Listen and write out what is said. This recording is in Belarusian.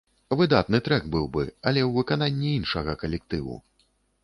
Выдатны трэк быў бы, але ў выкананні іншага калектыву.